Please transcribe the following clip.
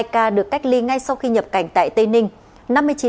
hai ca được cách ly ngay sau khi nhập cảnh tại tây ninh